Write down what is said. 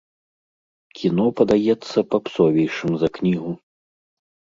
Кіно падаецца папсовейшым за кнігу.